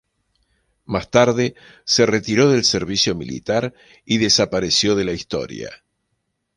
Más tarde se retiró del servicio militar y desapareció de la historia.